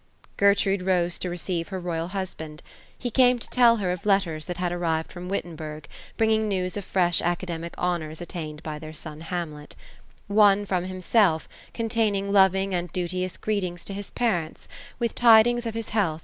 Oertrude rose to receive her royal husband. He came to tell her of letters that had arrived from Wittenberg ; bringing news of fresh acade mic honors attained by their son, Hamlet ; one from himself, containing loving and duteous greetings to his parents, with tidings of his health THE ROSE OF ELSINORE.